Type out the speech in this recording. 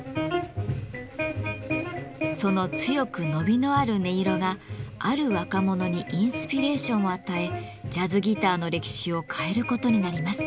その強く伸びのある音色がある若者にインスピレーションを与えジャズギターの歴史を変えることになります。